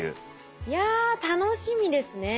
いや楽しみですね。